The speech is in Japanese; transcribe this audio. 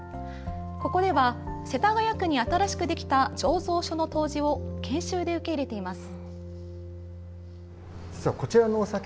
ここでは世田谷区に新しく出来た醸造所の杜氏を研修で受け入れています。